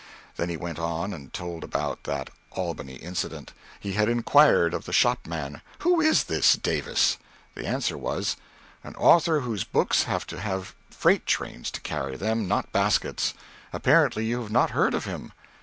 Then he went on and told about that Albany incident. He had inquired of the shopman "Who is this Davis?" The answer was "An author whose books have to have freight trains to carry them, not baskets. Apparently you have not heard of him?"